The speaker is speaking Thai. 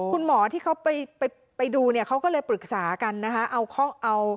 คุณหมอที่เขาไปไปดูเนี่ยเขาก็เลยปรึกษากันนะคะ